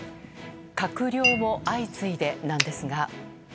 閣僚も相次いでなんですが。